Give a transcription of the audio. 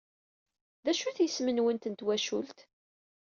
D acu-t yisem-nwent n twacult?